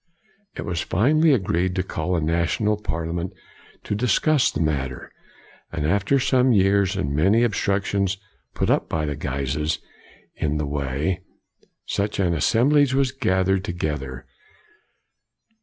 It was finally agreed to call a national parliament to discuss the matter, and after some years, and many obstructions put by the Guises in the way, such an assemblage was gathered together.